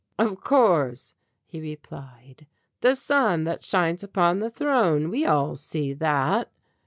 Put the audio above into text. "Of course," he replied, "the sun that shines upon the throne. We all see that."